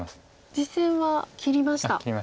実戦は切りました。